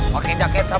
ya terima kasih